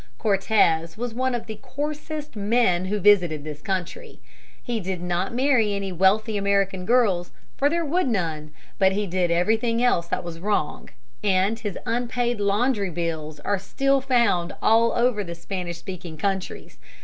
Cortez was one of the coarsest men who visited this country. He did not marry any wealthy American girls, for there were none, but he did everything else that was wrong, and his unpaid laundry bills are still found all over the Spanish speaking countries.